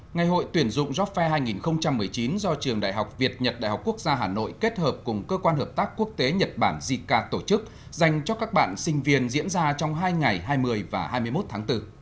ngày hội tuyển dụng job fair hai nghìn một mươi chín do trường đại học việt nhật đại học quốc gia hà nội kết hợp cùng cơ quan hợp tác quốc tế nhật bản jica tổ chức dành cho các bạn sinh viên diễn ra trong hai ngày hai mươi và hai mươi một tháng bốn